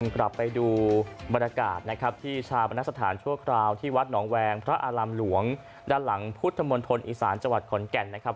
กลับไปดูบรรยากาศนะครับที่ชาปนสถานชั่วคราวที่วัดหนองแวงพระอารามหลวงด้านหลังพุทธมณฑลอีสานจังหวัดขอนแก่นนะครับ